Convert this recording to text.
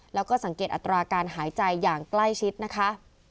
แล้วก็สังเกตอัตราการหายใจอย่างใกล้ชิดนะคะ